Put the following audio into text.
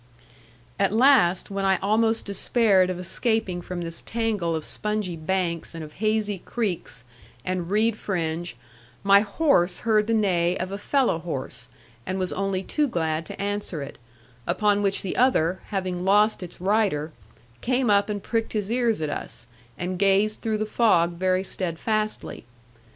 At last, when I almost despaired of escaping from this tangle of spongy banks, and of hazy creeks, and reed fringe, my horse heard the neigh of a fellow horse, and was only too glad to answer it; upon which the other, having lost its rider, came up and pricked his ears at us, and gazed through the fog very steadfastly.